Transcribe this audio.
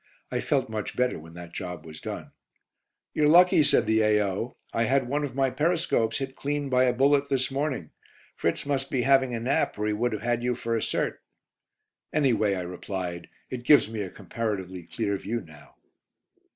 I felt much better when that job was done. "You're lucky," said the A.O. "I had one of my periscopes hit clean by a bullet this morning. Fritz must be having a nap, or he would have had you for a cert." "Anyway," I replied, "it gives me a comparatively clear view now."